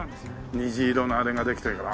虹色のあれができてるから。